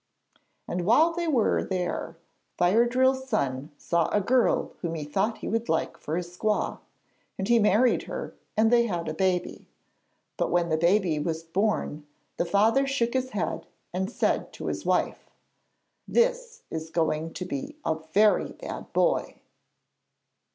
And while they were there Fire drill's son saw a girl whom he thought he would like for his squaw, and he married her and they had a baby. But when the baby was born the father shook his head and said to his wife: 'This is going to be a very bad boy.'